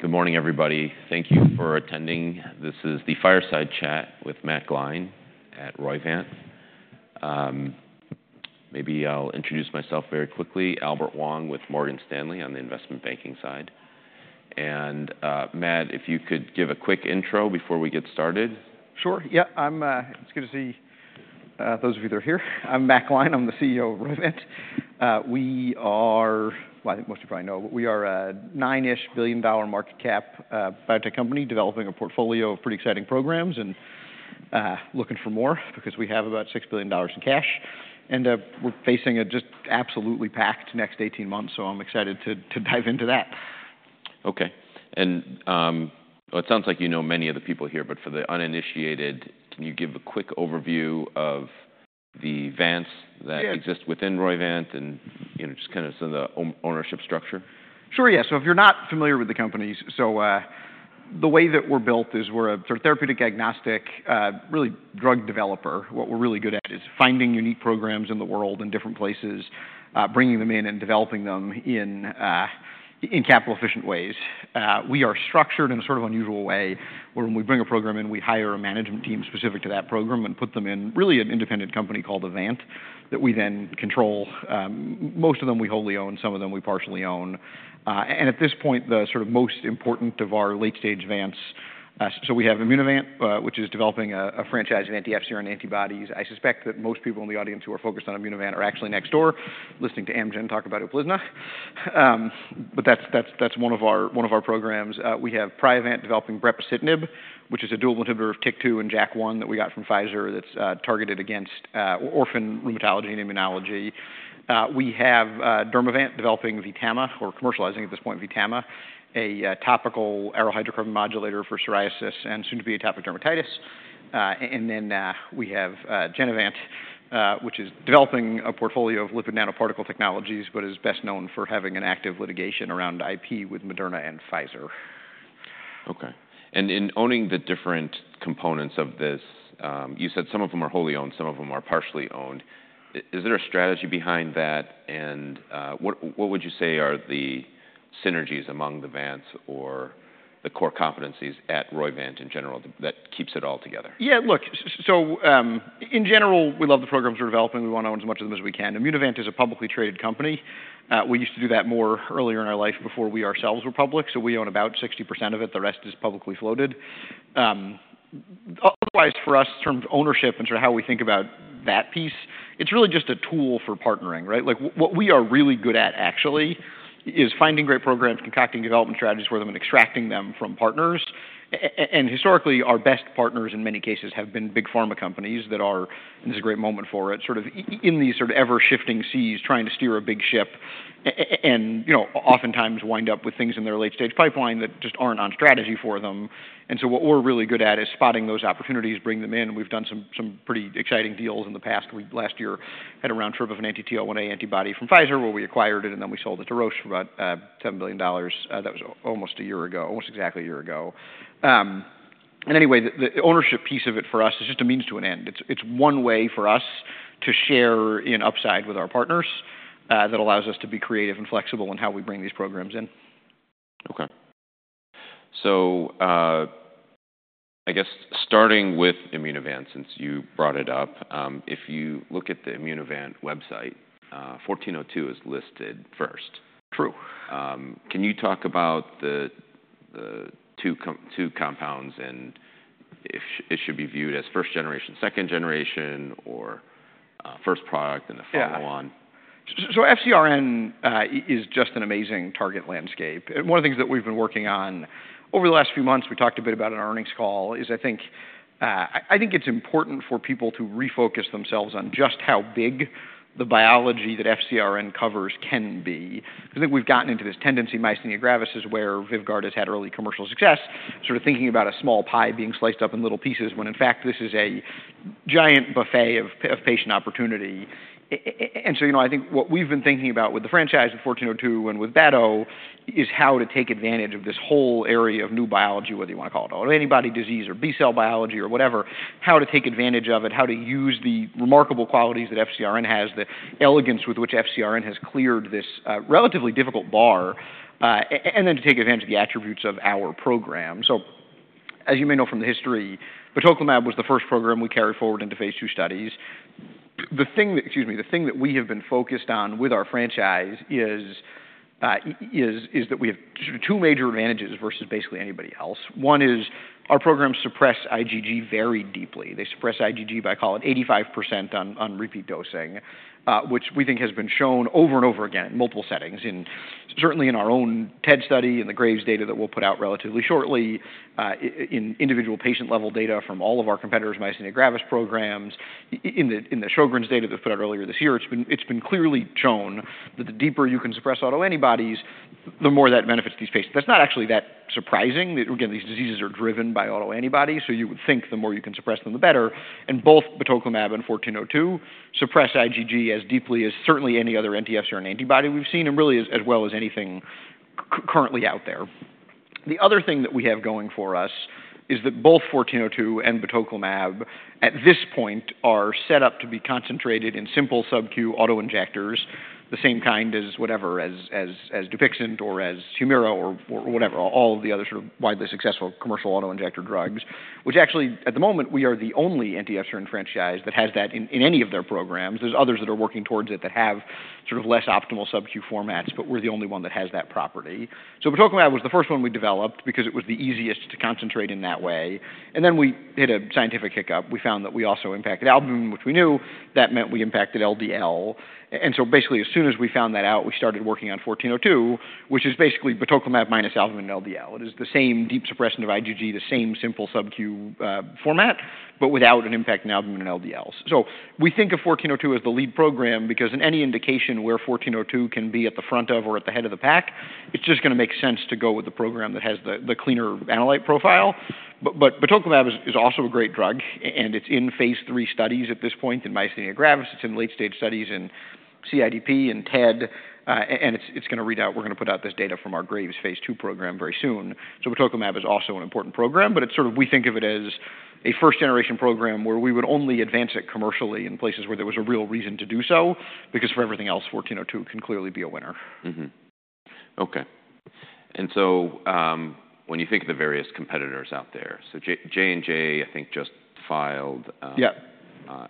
Good morning, everybody. Thank you for attending. This is the Fireside Chat with Matt Gline at Roivant. Maybe I'll introduce myself very quickly, Albert Wong with Morgan Stanley on the investment banking side, and Matt, if you could give a quick intro before we get started. Sure, yeah. I'm. It's good to see those of you that are here. I'm Matt Gline. I'm the CEO of Roivant. We are, well, I think most of you probably know, but we are a nine-ish billion-dollar market cap biotech company, developing a portfolio of pretty exciting programs and looking for more because we have about $6 billion in cash. We're facing a just absolutely packed next eighteen months, so I'm excited to dive into that. Okay, and well, it sounds like you know many of the people here, but for the uninitiated, can you give a quick overview of the Vants- Yeah -that exist within Roivant and, you know, just kind of some of the ownership structure? Sure, yeah. So if you're not familiar with the companies, the way that we're built is we're a therapeutic agnostic, really, drug developer. What we're really good at is finding unique programs in the world, in different places, bringing them in, and developing them in capital-efficient ways. We are structured in a sort of unusual way, where when we bring a program in, we hire a management team specific to that program and put them in, really, an independent company called a vant, that we then control. Most of them we wholly own, some of them we partially own. And at this point, the sort of most important of our late-stage vants... So we have Immunovant, which is developing a franchise in anti-FcRn antibodies. I suspect that most people in the audience who are focused on Immunovant are actually next door, listening to Amgen talk about Uplizna, but that's one of our programs. We have Priovant developing brepocitinib, which is a dual inhibitor of TYK2 and JAK1 that we got from Pfizer, that's targeted against orphan rheumatology and immunology. We have Dermavant developing Vtama, or commercializing at this point, Vtama, a topical aryl hydrocarbon modulator for psoriasis and soon-to-be atopic dermatitis, and then we have Genevant, which is developing a portfolio of lipid nanoparticle technologies, but is best known for having an active litigation around IP with Moderna and Pfizer. Okay. And in owning the different components of this, you said some of them are wholly owned, some of them are partially owned. Is there a strategy behind that? And what would you say are the synergies among the vants or the core competencies at Roivant in general that keeps it all together? Yeah, look, so, in general, we love the programs we're developing. We want to own as much of them as we can. Immunovant is a publicly traded company. We used to do that more earlier in our life before we ourselves were public, so we own about 60% of it, the rest is publicly floated. Otherwise, for us, in terms of ownership and sort of how we think about that piece, it's really just a tool for partnering, right? Like, what we are really good at, actually, is finding great programs, concocting development strategies for them, and extracting them from partners. And historically, our best partners, in many cases, have been big pharma companies that are, and this is a great moment for it, sort of in these sort of ever-shifting seas, trying to steer a big ship, and, you know, oftentimes wind up with things in their late stage pipeline that just aren't on strategy for them. And so what we're really good at is spotting those opportunities, bring them in, and we've done some pretty exciting deals in the past. We last year had a round trip of an anti-TL1A antibody from Pfizer, where we acquired it, and then we sold it to Roche for about $7 billion. That was almost a year ago, almost exactly a year ago. And anyway, the ownership piece of it for us is just a means to an end. It's one way for us to share in upside with our partners that allows us to be creative and flexible in how we bring these programs in. Okay. So, I guess starting with Immunovant, since you brought it up, if you look at the Immunovant website, 1402 is listed first. True. Can you talk about the two compounds and if it should be viewed as first generation, second generation, or first product and the follow on? Yeah. So FcRn is just an amazing target landscape. One of the things that we've been working on over the last few months, we talked a bit about an earnings call, is I think it's important for people to refocus themselves on just how big the biology that FcRn covers can be. I think we've gotten into this tendency, myasthenia gravis, is where Vyvgart has had early commercial success, sort of thinking about a small pie being sliced up in little pieces, when in fact, this is a giant buffet of patient opportunity. And so, you know, I think what we've been thinking about with the franchise of 1402 and with Bato, is how to take advantage of this whole area of new biology, whether you want to call it autoimmune disease, or B-cell biology, or whatever, how to take advantage of it, how to use the remarkable qualities that FcRn has, the elegance with which FcRn has cleared this relatively difficult bar, and then to take advantage of the attributes of our program. So as you may know from the history, batoclimab was the first program we carried forward into phase II studies. The thing that we have been focused on with our franchise is that we have two major advantages versus basically anybody else. One is our programs suppress IgG very deeply. They suppress IgG by, call it, 85% on repeat dosing, which we think has been shown over and over again in multiple settings, certainly in our own TED study and the Graves data that we'll put out relatively shortly, in individual patient-level data from all of our competitors' myasthenia gravis programs, in the Sjogren's data that put out earlier this year. It's been clearly shown that the deeper you can suppress autoantibodies, the more that benefits these patients. That's not actually that surprising. That, again, these diseases are driven by autoantibodies, so you would think the more you can suppress them, the better. And both batoclimab and 1402 suppress IgG as deeply as certainly any other anti-FcRn antibody we've seen, and really as well as anything currently out there. The other thing that we have going for us is that both 1402 and batoclimab, at this point, are set up to be concentrated in simple sub-Q auto-injectors, the same kind as whatever, as Dupixent or as Humira or whatever, all of the other sort of widely successful commercial auto-injector drugs, which actually, at the moment, we are the only anti-FcRn franchise that has that in any of their programs. There's others that are working towards it that have sort of less optimal sub-Q formats, but we're the only one that has that property. So batoclimab was the first one we developed because it was the easiest to concentrate in that way, and then we hit a scientific hiccup. We found that we also impacted albumin, which we knew. That meant we impacted LDL. And so basically, as soon as we found that out, we started working on 1402, which is basically batoclimab minus albumin and LDL. It is the same deep suppression of IgG, the same simple sub-Q format, but without an impact on albumin and LDLs. So we think of 1402 as the lead program because in any indication where 1402 can be at the front of or at the head of the pack, it's just gonna make sense to go with the program that has the cleaner analyte profile. But batoclimab is also a great drug, and it's in phase III studies at this point in myasthenia gravis. It's in late-stage studies in CIDP and TED, and it's gonna read out. We're gonna put out this data from our Graves phase II program very soon. Batoclimab is also an important program, but it's sort of, we think of it as a first-generation program where we would only advance it commercially in places where there was a real reason to do so, because for everything else, 1402 can clearly be a winner. Mm-hmm. Okay. And so, when you think of the various competitors out there, so J&J, I think, just filed, Yep.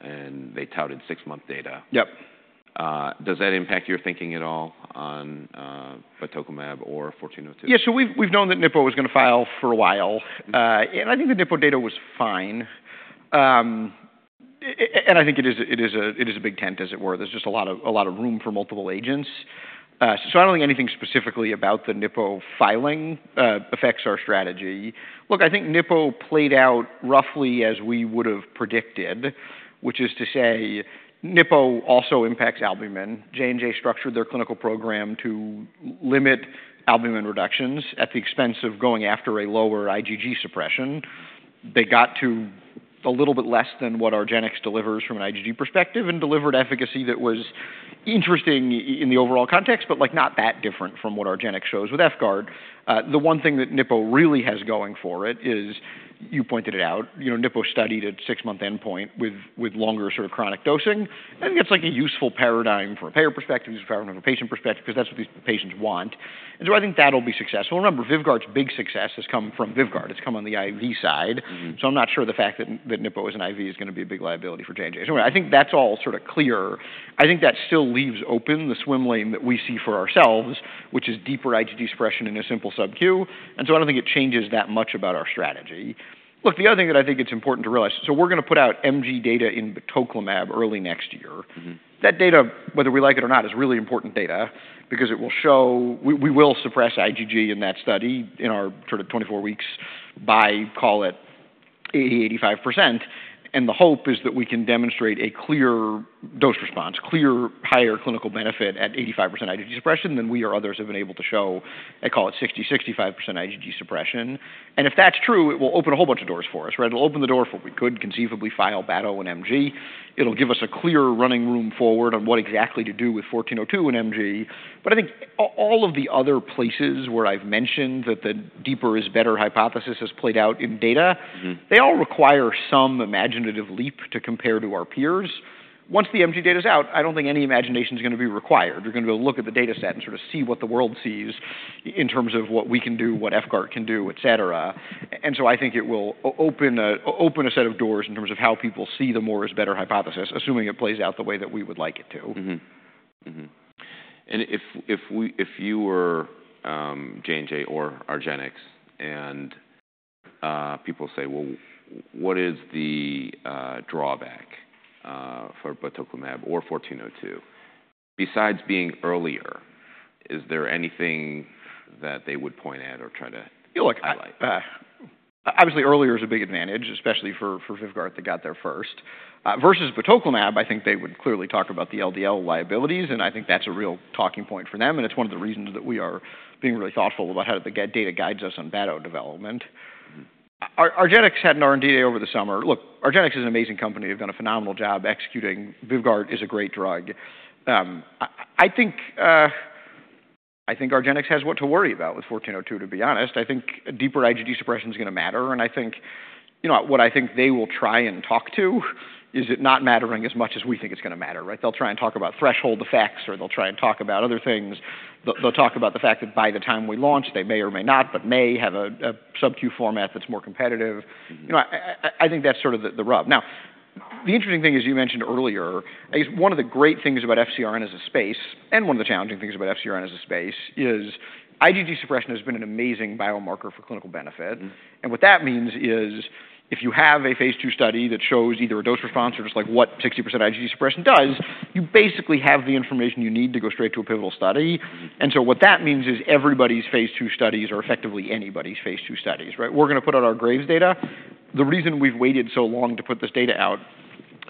And they touted six-month data. Yep. Does that impact your thinking at all on batoclimab or 1402? Yeah, so we've known that nipocalimab was gonna file for a while, and I think the nipocalimab data was fine, and I think it is a big tent, as it were. There's just a lot of room for multiple agents, so I don't think anything specifically about the nipocalimab filing affects our strategy. Look, I think nipocalimab played out roughly as we would've predicted, which is to say, nipocalimab also impacts albumin. J&J structured their clinical program to limit albumin reductions at the expense of going after a lower IgG suppression. They got to a little bit less than what argenx delivers from an IgG perspective and delivered efficacy that was interesting in the overall context, but, like, not that different from what argenx shows with Vyvgart. The one thing that nipocalimab really has going for it is, you pointed it out, you know, nipocalimab studied at six-month endpoint with longer sort of chronic dosing, and I think that's, like, a useful paradigm from a payer perspective, a useful paradigm from a patient perspective, 'cause that's what these patients want, and so I think that'll be successful. Remember, Vyvgart's big success has come from Vyvgart. It's come on the IV side. Mm-hmm. So I'm not sure the fact that, that nipocalimab is an IV is gonna be a big liability for J&J. So I think that's all sort of clear. I think that still leaves open the swim lane that we see for ourselves, which is deeper IgG suppression in a simple sub-Q, and so I don't think it changes that much about our strategy. Look, the other thing that I think it's important to realize... So we're gonna put out MG data in batoclimab early next year. Mm-hmm. That data, whether we like it or not, is really important data because it will show. We will suppress IgG in that study in our sort of 24 weeks by, call it, 80%-85%, and the hope is that we can demonstrate a clear dose response, clear higher clinical benefit at 85% IgG suppression than we or others have been able to show, I call it 60%-65% IgG suppression. And if that's true, it will open a whole bunch of doors for us, right? It'll open the door for we could conceivably file BATO and MG. It'll give us a clear running room forward on what exactly to do with 1402 and MG. But I think all of the other places where I've mentioned that the deeper is better hypothesis has played out in data- Mm-hmm. They all require some imaginative leap to compare to our peers. Once the MG data's out, I don't think any imagination is gonna be required. You're gonna be able to look at the data set and sort of see what the world sees in terms of what we can do, what Vyvgart can do, et cetera. And so I think it will open a set of doors in terms of how people see the more is better hypothesis, assuming it plays out the way that we would like it to. Mm-hmm. Mm-hmm. And if you were J&J or argenx, and people say, "Well, what is the drawback for batoclimab or 1402?" Besides being earlier, is there anything that they would point at or try to highlight? Yeah, like, obviously, earlier is a big advantage, especially for Vyvgart that got there first. Versus batoclimab, I think they would clearly talk about the LDL liabilities, and I think that's a real talking point for them, and it's one of the reasons that we are being really thoughtful about how the guidance data guides us on BATO development. Mm-hmm. argenx had an R&D day over the summer. Look, argenx is an amazing company. They've done a phenomenal job executing. Vyvgart is a great drug. I think argenx has what to worry about with 1402, to be honest. I think a deeper IgG suppression is gonna matter, and I think, you know what I think they will try and talk to is it not mattering as much as we think it's gonna matter, right? They'll try and talk about threshold effects, or they'll try and talk about other things. They'll talk about the fact that by the time we launch, they may or may not, but may have a sub-Q format that's more competitive. Mm-hmm. You know, I think that's sort of the rub. Now, the interesting thing is, you mentioned earlier, I guess one of the great things about FcRn as a space, and one of the challenging things about FcRn as a space, is IgG suppression has been an amazing biomarker for clinical benefit. Mm-hmm. What that means is, if you have a phase II study that shows either a dose response or just like what 60% IgG suppression does, you basically have the information you need to go straight to a pivotal study. Mm-hmm. And so what that means is everybody's phase II studies are effectively anybody's phase II studies, right? We're gonna put out our Graves data. The reason we've waited so long to put this data out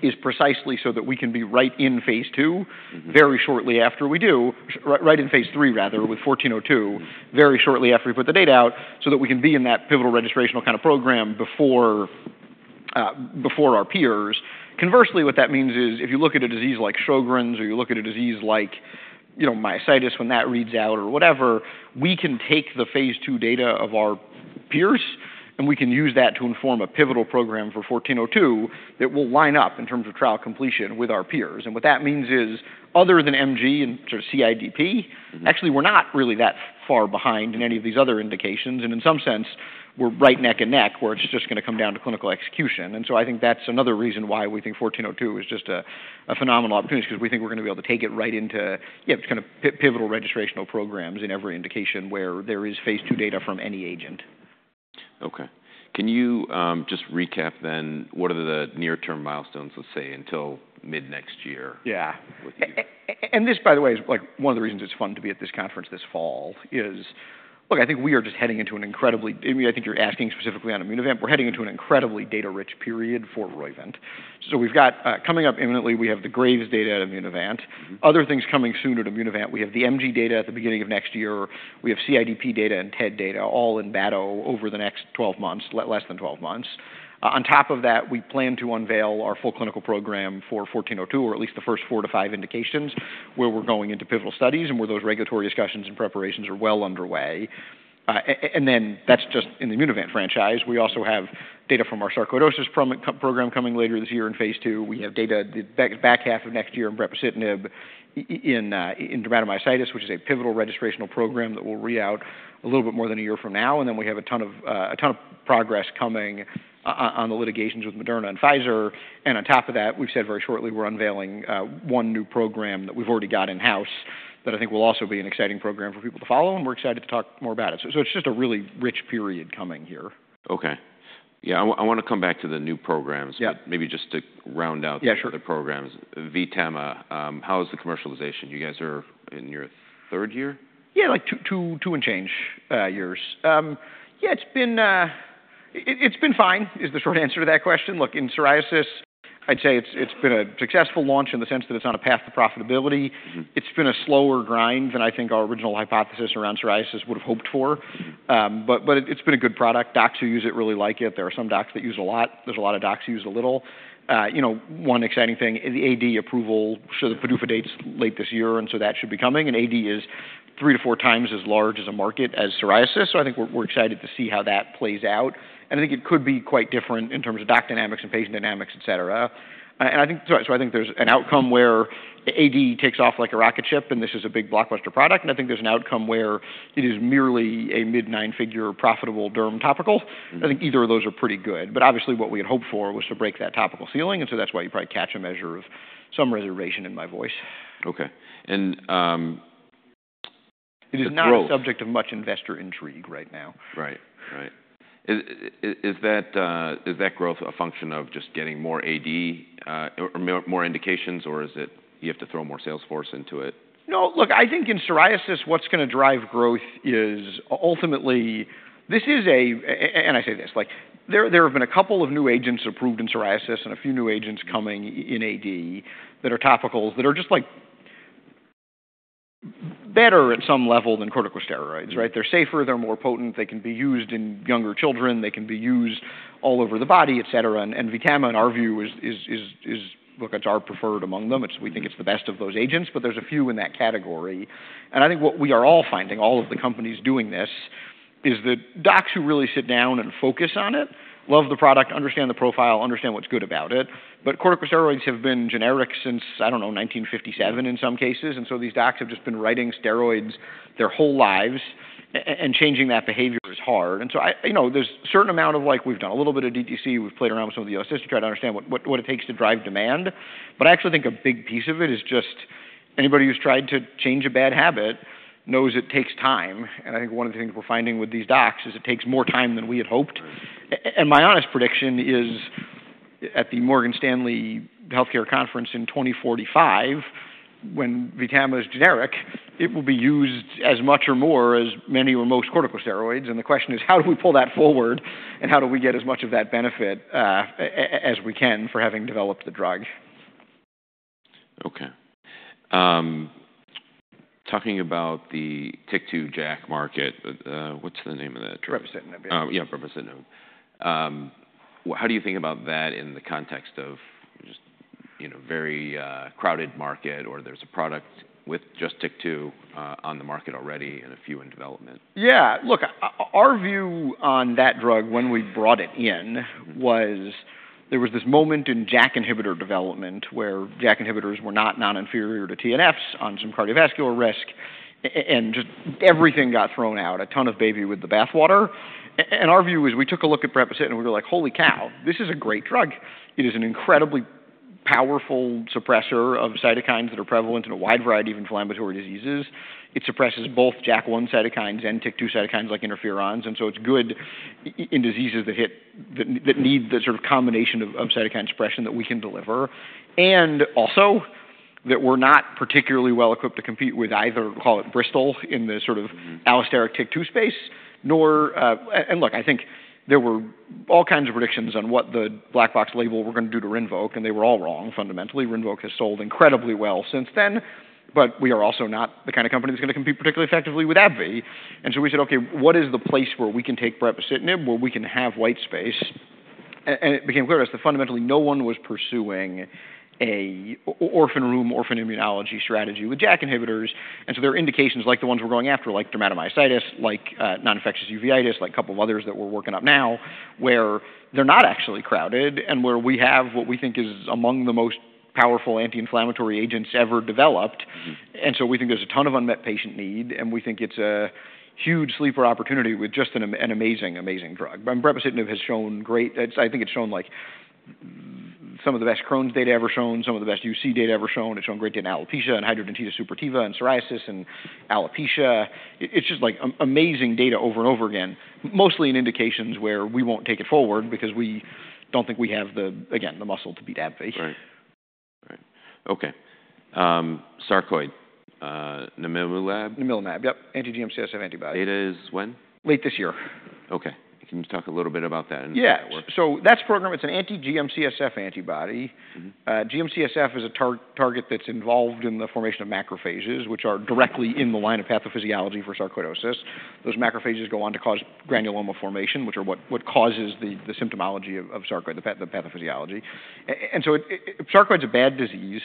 is precisely so that we can be right in phase II- Mm-hmm... very shortly after we do, right, right in phase III, rather, with 1402, very shortly after we put the data out, so that we can be in that pivotal registrational kind of program before our peers. Conversely, what that means is, if you look at a disease like Sjögren's, or you look at a disease like, you know, myositis, when that reads out or whatever, we can take the phase II data of our peers, and we can use that to inform a pivotal program for 1402 that will line up in terms of trial completion with our peers. What that means is, other than MG and sort of CIDP, actually, we're not really that far behind in any of these other indications, and in some sense, we're right neck and neck, where it's just gonna come down to clinical execution. I think that's another reason why we think 1402 is just a phenomenal opportunity, 'cause we think we're gonna be able to take it right into, yeah, kind of pivotal registrational programs in every indication where there is phase II data from any agent. Okay. Can you, just recap then, what are the near-term milestones, let's say, until mid-next year? Yeah. With you. And this, by the way, is like one of the reasons it's fun to be at this conference this fall is. Look, I think we are just heading into an incredibly. I mean, I think you're asking specifically on Immunovant. We're heading into an incredibly data-rich period for Roivant. So we've got coming up imminently, we have the Graves' data at Immunovant. Mm-hmm. Other things coming soon at Immunovant, we have the MG data at the beginning of next year. We have CIDP data and TED data all in the ballpark of the next 12 months, less than 12 months. On top of that, we plan to unveil our full clinical program for 14.02, or at least the first four to five indications, where we're going into pivotal studies and where those regulatory discussions and preparations are well underway. And then that's just in the Immunovant franchise. We also have data from our sarcoidosis program coming later this year in phase II. We have data the back half of next year in brepocitinib, in dermatomyositis, which is a pivotal registrational program that will read out a little bit more than a year from now. And then we have a ton of progress coming on the litigations with Moderna and Pfizer. And on top of that, we've said very shortly, we're unveiling one new program that we've already got in-house, that I think will also be an exciting program for people to follow, and we're excited to talk more about it. So it's just a really rich period coming here. Okay. Yeah, I wanna come back to the new programs. Yeah. but maybe just to round out Yeah, sure. -the other programs. Vtama, how is the commercialization? You guys are in your third year? Yeah, like two, two, two and change years. Yeah, it's been fine, is the short answer to that question. Look, in psoriasis, I'd say it's been a successful launch in the sense that it's on a path to profitability. Mm-hmm. It's been a slower grind than I think our original hypothesis around psoriasis would've hoped for, but it's been a good product. Docs who use it really like it. There are some docs that use a lot. There's a lot of docs who use a little. You know, one exciting thing, the AD approval, so the PDUFA date's late this year, and so that should be coming. AD is 3x-4x times as large a market as psoriasis, so I think we're excited to see how that plays out. I think it could be quite different in terms of doc dynamics and patient dynamics, et cetera. And I think there's an outcome where AD takes off like a rocket ship, and this is a big blockbuster product, and I think there's an outcome where it is merely a mid-nine-figure, profitable derm topical. Mm-hmm. I think either of those are pretty good. But obviously, what we had hoped for was to break that topical ceiling, and so that's why you probably catch a measure of some reservation in my voice. Okay. And, the growth- It is not a subject of much investor intrigue right now. Right. Right. Is that growth a function of just getting more AD, or more indications, or is it you have to throw more sales force into it? No. Look, I think in psoriasis, what's gonna drive growth is ultimately this is a... and I say this, like, there have been a couple of new agents approved in psoriasis and a few new agents coming in AD that are topicals that are just, like, better at some level than corticosteroids, right? Mm-hmm. They're safer, they're more potent, they can be used in younger children, they can be used all over the body, et cetera. And Vtama, in our view. Look, it's our preferred among them. Mm-hmm. We think it's the best of those agents, but there's a few in that category. And I think what we are all finding, all of the companies doing this, is that docs who really sit down and focus on it, love the product, understand the profile, understand what's good about it, but corticosteroids have been generic since, I don't know, 1957 in some cases, and so these docs have just been writing steroids their whole lives, and changing that behavior is hard. And so I. You know, there's a certain amount of, like, we've done a little bit of DTC, we've played around with some of the assist to try to understand what it takes to drive demand. But I actually think a big piece of it is just anybody who's tried to change a bad habit knows it takes time, and I think one of the things we're finding with these docs is it takes more time than we had hoped. Right. and my honest prediction is, at the Morgan Stanley Healthcare Conference in 2045, when Vtama is generic, it will be used as much or more as many or most corticosteroids. And the question is: How do we pull that forward, and how do we get as much of that benefit, as we can for having developed the drug? Okay. Talking about the TYK2 JAK market, what's the name of that drug? Repasitinib. Yeah, brepocitinib. How do you think about that in the context of just, you know, very crowded market, or there's a product with just TYK2 on the market already and a few in development? Yeah. Look, our view on that drug when we brought it in was, there was this moment in JAK inhibitor development, where JAK inhibitors were not non-inferior to TNFs on some cardiovascular risk, and just everything got thrown out, the baby with the bathwater. And our view is, we took a look at brepocitinib, and we were like: Holy cow! This is a great drug. It is an incredibly powerful suppressor of cytokines that are prevalent in a wide variety of inflammatory diseases. It suppresses both JAK1 cytokines and TYK2 cytokines like interferons, and so it's good in diseases that need the sort of combination of cytokine suppression that we can deliver. And also, that we're not particularly well-equipped to compete with either, call it Bristol, in the sort of- Mm-hmm... allosteric TYK2 space, nor, and look, I think there were all kinds of predictions on what the black box label were gonna do to Rinvoq, and they were all wrong. Fundamentally, Rinvoq has sold incredibly well since then, but we are also not the kind of company that's gonna compete particularly effectively with AbbVie. And so we said: Okay, what is the place where we can take brepocitinib, where we can have white space? And it became clear is that fundamentally no one was pursuing an orphan rheum, orphan immunology strategy with JAK inhibitors. And so there are indications like the ones we're going after, like dermatomyositis, like non-infectious uveitis, like a couple of others that we're working on now, where they're not actually crowded and where we have what we think is among the most powerful anti-inflammatory agents ever developed. And so we think there's a ton of unmet patient need, and we think it's a huge sleeper opportunity with just an amazing, amazing drug. Brepocitinib has shown great. It's, I think it's shown, like, some of the best Crohn's data ever shown, some of the best UC data ever shown. It's shown great data in alopecia and hidradenitis suppurativa, and psoriasis, and alopecia. It, it's just like amazing data over and over again, mostly in indications where we won't take it forward because we don't think we have the, again, the muscle to be that big. Right. Right. Okay, sarcoid, namilumab? Namilumab, yep, anti-GM-CSF antibody. Data is when? Late this year. Okay. Can you talk a little bit about that and how that works? Yeah. So that's a program, it's an anti-GM-CSF antibody. Mm-hmm. GM-CSF is a target that's involved in the formation of macrophages, which are directly in the line of pathophysiology for sarcoidosis. Those macrophages go on to cause granuloma formation, which are what causes the symptomology of sarcoid, the pathophysiology. And so sarcoid's a bad disease,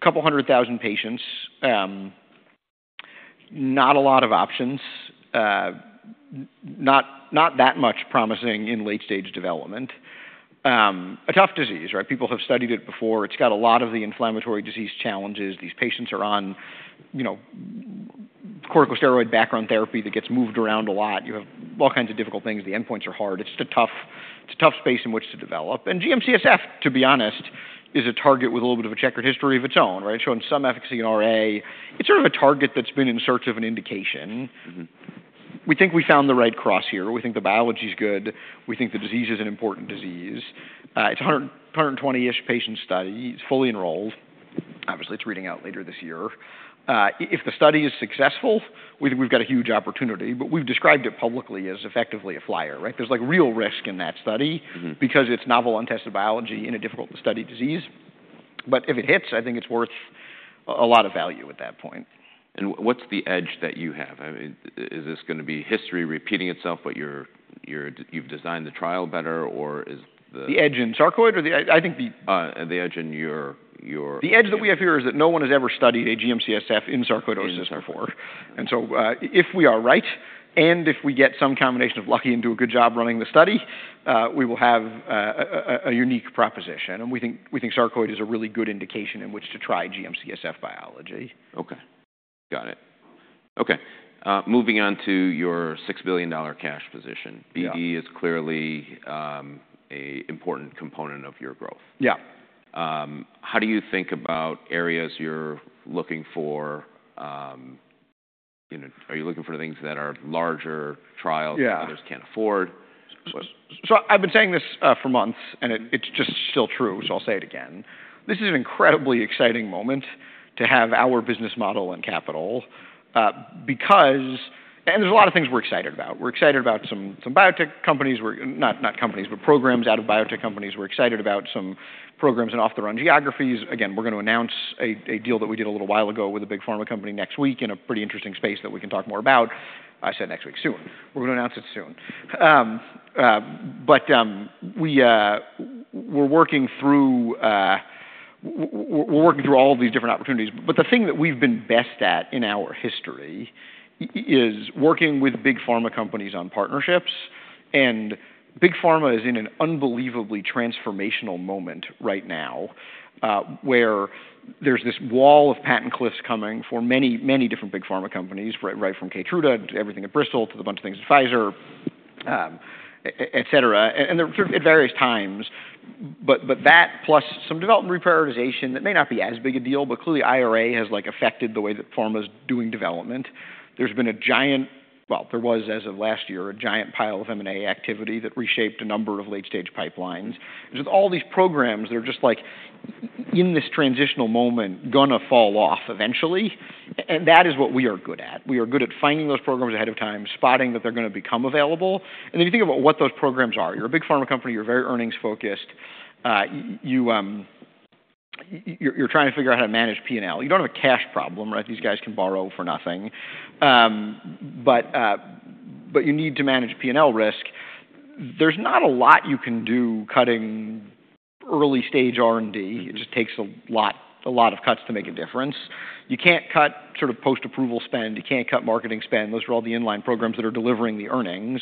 couple hundred thousand patients, not a lot of options, not that much promising in late-stage development. A tough disease, right? People have studied it before. It's got a lot of the inflammatory disease challenges. These patients are on, you know, corticosteroid background therapy that gets moved around a lot. You have all kinds of difficult things. The endpoints are hard. It's just a tough, it's a tough space in which to develop. GM-CSF, to be honest, is a target with a little bit of a checkered history of its own, right? It's sort of a target that's been in search of an indication. Mm-hmm. We think we found the right cross here. We think the biology is good. We think the disease is an important disease. It's a 120-ish patient study, it's fully enrolled. Obviously, it's reading out later this year. If the study is successful, we've got a huge opportunity, but we've described it publicly as effectively a flyer, right? There's like real risk in that study. Mm-hmm. Because it's novel, untested biology in a difficult-to-study disease. But if it hits, I think it's worth a lot of value at that point. And what's the edge that you have? I mean, is this gonna be history repeating itself, but you've designed the trial better, or is the- The edge in sarcoid or the... I think the- The edge in your The edge that we have here is that no one has ever studied a GM-CSF in sarcoidosis before. In sarcoidosis. And so, if we are right, and if we get some combination of lucky and do a good job running the study, we will have a unique proposition, and we think sarcoid is a really good indication in which to try GM-CSF biology. Okay. Got it. Okay, moving on to your $6 billion cash position. Yeah. BE is clearly a important component of your growth. Yeah. How do you think about areas you're looking for? You know, are you looking for things that are larger trials- Yeah. others can't afford? So I've been saying this for months, and it's just still true, so I'll say it again. This is an incredibly exciting moment to have our business model and capital because. And there's a lot of things we're excited about. We're excited about some biotech companies, we're not companies, but programs out of biotech companies. We're excited about some programs in off-the-run geographies. Again, we're going to announce a deal that we did a little while ago with a big pharma company next week in a pretty interesting space that we can talk more about. I said next week, soon. We're going to announce it soon. But we, we're working through all these different opportunities, but the thing that we've been best at in our history is working with big pharma companies on partnerships, and big pharma is in an unbelievably transformational moment right now, where there's this wall of patent cliffs coming for many, many different big pharma companies, right from Keytruda to everything at Bristol, to the bunch of things at Pfizer, et cetera, and they're at various times. But that plus some development reprioritization, that may not be as big a deal, but clearly, IRA has, like, affected the way that pharma's doing development. There was, as of last year, a giant pile of M&A activity that reshaped a number of late-stage pipelines. There's all these programs that are in this transitional moment, gonna fall off eventually, and that is what we are good at. We are good at finding those programs ahead of time, spotting that they're gonna become available, and then you think about what those programs are. You're a big pharma company, you're very earnings-focused, you're trying to figure out how to manage P&L. You don't have a cash problem, right? These guys can borrow for nothing, but you need to manage P&L risk. There's not a lot you can do cutting early-stage R&D. Mm-hmm. It just takes a lot, a lot of cuts to make a difference. You can't cut sort of post-approval spend, you can't cut marketing spend. Those are all the in-line programs that are delivering the earnings.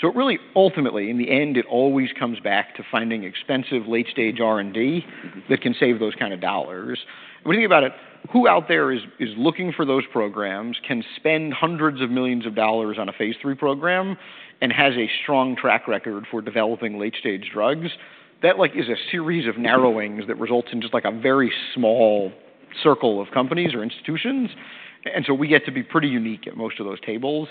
So it really, ultimately, in the end, it always comes back to finding expensive late-stage R&D- Mm-hmm. That can save those kind of dollars. When you think about it, who out there is looking for those programs, can spend hundreds of millions of dollars on a phase III program, and has a strong track record for developing late-stage drugs? That, like, is a series of narrowings that results in just, like, a very small circle of companies or institutions, and so we get to be pretty unique at most of those tables.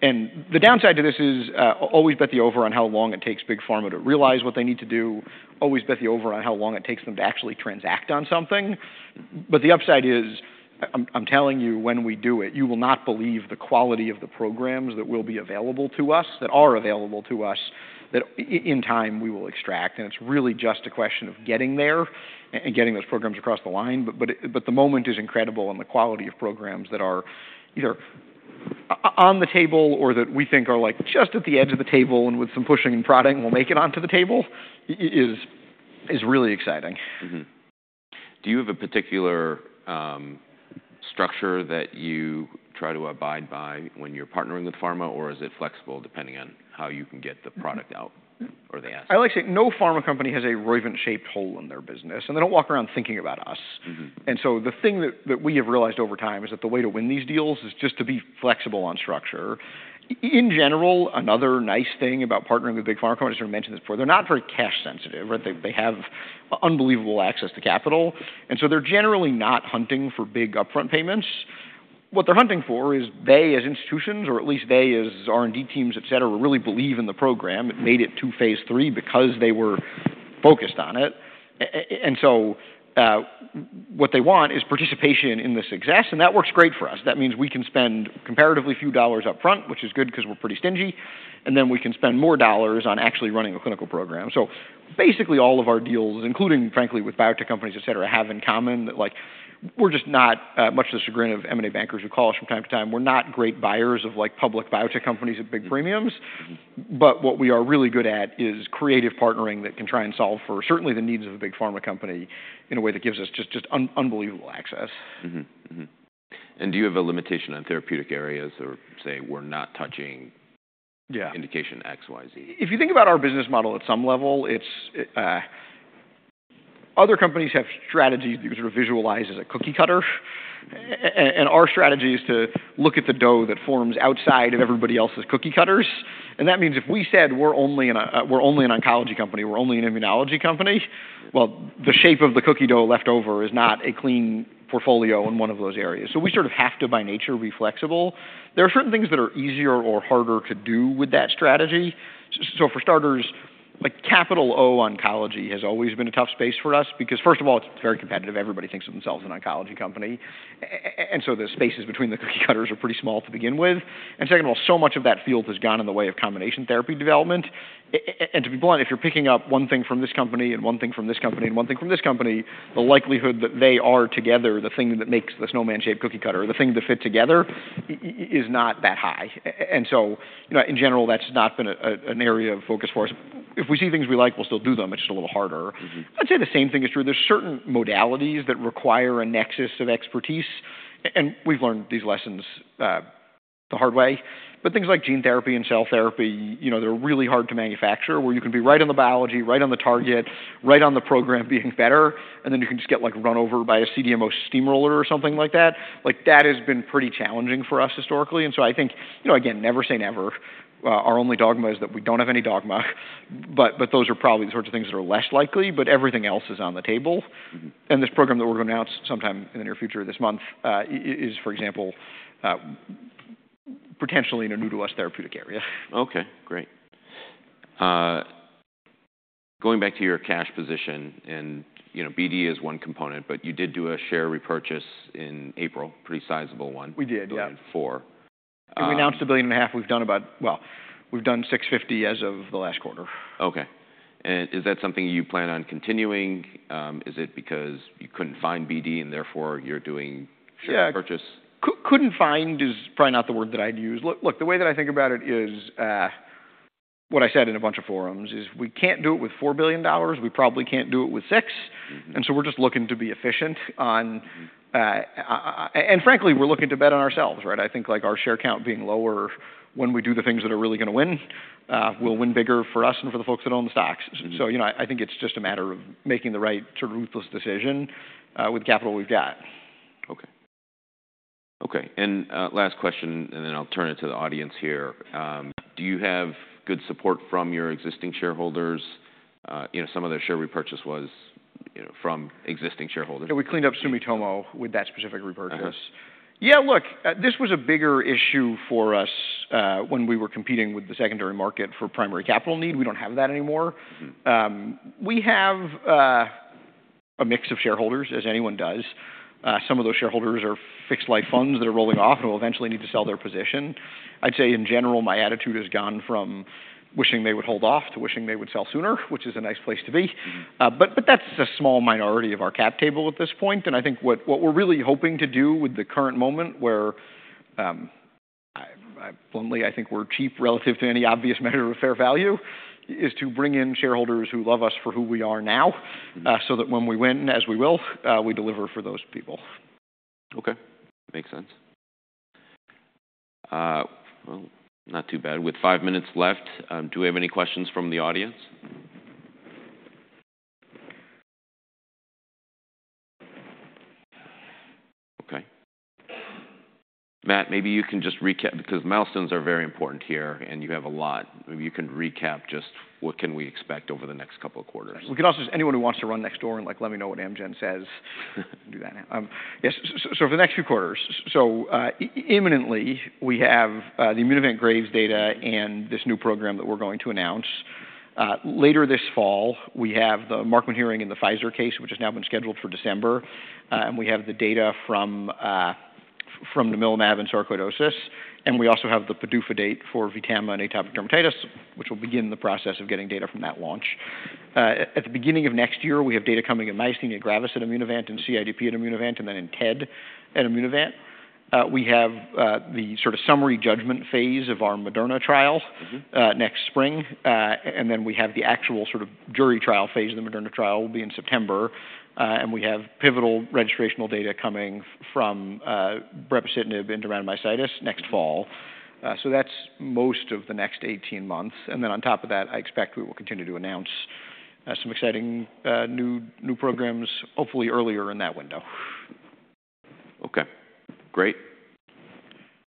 And the downside to this is always bet the over on how long it takes big pharma to realize what they need to do, always bet the over on how long it takes them to actually transact on something. But the upside is, I'm telling you, when we do it, you will not believe the quality of the programs that will be available to us, that are available to us, that in time, we will extract. And it's really just a question of getting there and getting those programs across the line. But the moment is incredible, and the quality of programs that are either on the table or that we think are, like, just at the edge of the table, and with some pushing and prodding will make it onto the table, is really exciting. Mm-hmm. Do you have a particular structure that you try to abide by when you're partnering with pharma? Or is it flexible, depending on how you can get the product out or the asset? I like to say no pharma company has a Roivant-shaped hole in their business, and they don't walk around thinking about us. Mm-hmm. And so the thing that we have realized over time is that the way to win these deals is just to be flexible on structure. In general, another nice thing about partnering with big pharma companies, I mentioned this before, they're not very cash sensitive, right? They have unbelievable access to capital, and so they're generally not hunting for big upfront payments. What they're hunting for is they, as institutions, or at least they as R&D teams, et cetera, really believe in the program, it made it to phase III because they were focused on it. And so what they want is participation in the success, and that works great for us. That means we can spend comparatively few dollars upfront, which is good because we're pretty stingy, and then we can spend more dollars on actually running a clinical program. So basically, all of our deals, including frankly, with biotech companies, et cetera, have in common that, like, we're just not much to the chagrin of M&A bankers who call us from time to time, we're not great buyers of, like, public biotech companies at big premiums. Mm-hmm. But what we are really good at is creative partnering that can try and solve for, certainly the needs of a big pharma company in a way that gives us just, just unbelievable access. And do you have a limitation on therapeutic areas or say, "We're not touching- Yeah - indication X, Y, Z? If you think about our business model at some level, it's. Other companies have strategies you sort of visualize as a cookie cutter, and our strategy is to look at the dough that forms outside of everybody else's cookie cutters. That means if we said, "We're only an, we're only an oncology company, we're only an immunology company," well, the shape of the cookie dough left over is not a clean portfolio in one of those areas. We sort of have to, by nature, be flexible. There are certain things that are easier or harder to do with that strategy. For starters, like, capital O, oncology, has always been a tough space for us because, first of all, it's very competitive. Everybody thinks of themselves as an oncology company. The spaces between the cookie cutters are pretty small to begin with. And second of all, so much of that field has gone in the way of combination therapy development. And to be blunt, if you're picking up one thing from this company and one thing from this company and one thing from this company, the likelihood that they are together, the thing that makes the snowman-shaped cookie cutter, the thing to fit together, is not that high. And so, you know, in general, that's not been an area of focus for us. If we see things we like, we'll still do them, it's just a little harder. Mm-hmm. I'd say the same thing is true. There's certain modalities that require a nexus of expertise, and we've learned these lessons the hard way. But things like gene therapy and cell therapy, you know, they're really hard to manufacture, where you can be right on the biology, right on the target, right on the program being better, and then you can just get, like, run over by a CDMO steamroller or something like that. Like, that has been pretty challenging for us historically. And so I think, you know, again, never say never. Our only dogma is that we don't have any dogma, but those are probably the sorts of things that are less likely, but everything else is on the table. Mm-hmm. This program that we're gonna announce sometime in the near future, this month, is, for example, potentially in a new to us therapeutic area. Okay, great. Going back to your cash position, and, you know, BD is one component, but you did do a share repurchase in April, pretty sizable one. We did, yeah. Like four, We announced $1.5 billion. We've done about... Well, we've done $650 million as of the last quarter. Okay. And is that something you plan on continuing? Is it because you couldn't find BD and therefore you're doing share purchase? Yeah. Couldn't find is probably not the word that I'd use. Look, the way that I think about it is, what I said in a bunch of forums, is we can't do it with $4 billion, we probably can't do it with $6 billion. Mm-hmm. And so we're just looking to be efficient on, Mm-hmm. And frankly, we're looking to bet on ourselves, right? I think, like, our share count being lower when we do the things that are really gonna win, will win bigger for us and for the folks that own the stocks. Mm-hmm. You know, I think it's just a matter of making the right, ruthless decision with capital we've got. Okay. Okay, and, last question, and then I'll turn it to the audience here. Do you have good support from your existing shareholders? You know, some of the share repurchase was, you know, from existing shareholders. Yeah, we cleaned up Sumitomo with that specific repurchase. Uh-huh. Yeah, look, this was a bigger issue for us, when we were competing with the secondary market for primary capital need. We don't have that anymore. Mm-hmm. We have a mix of shareholders, as anyone does. Some of those shareholders are fixed life funds that are rolling off and will eventually need to sell their position. I'd say in general, my attitude has gone from wishing they would hold off to wishing they would sell sooner, which is a nice place to be. Mm-hmm. But that's a small minority of our cap table at this point, and I think what we're really hoping to do with the current moment where bluntly I think we're cheap relative to any obvious measure of fair value is to bring in shareholders who love us for who we are now. Mm-hmm. So that when we win, as we will, we deliver for those people. Okay, makes sense. Well, not too bad. With five minutes left, do we have any questions from the audience? Okay. Matt, maybe you can just recap, because milestones are very important here, and you have a lot. Maybe you can recap just what can we expect over the next couple of quarters. We can also... Just anyone who wants to run next door and, like, let me know what Amgen says- Do that now. Yes, so for the next few quarters, so, imminently, we have the Immunovant Graves' data and this new program that we're going to announce. Later this fall, we have the Markman hearing and the Pfizer case, which has now been scheduled for December. And we have the data from namilumab and sarcoidosis, and we also have the PDUFA date for Vtama and atopic dermatitis, which will begin the process of getting data from that launch. At the beginning of next year, we have data coming in myasthenia gravis at Immunovant and CIDP at Immunovant, and then in TED at Immunovant. We have the sort of summary judgment phase of our Moderna trial- Mm-hmm... next spring. And then we have the actual sort of jury trial phase of the Moderna trial will be in September. And we have pivotal registrational data coming from brepocitinib and dermatomyositis next fall. Mm-hmm. So that's most of the next eighteen months, and then on top of that, I expect we will continue to announce some exciting new programs, hopefully earlier in that window. Okay, great.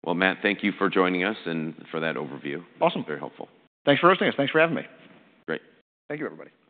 Well, Matt, thank you for joining us and for that overview. Awesome. Very helpful. Thanks for hosting us. Thanks for having me. Great. Thank you, everybody.